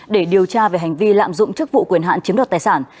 để điều tra về hành vi lạm dụng chức vụ quyền hạn chiếm đoạt tài sản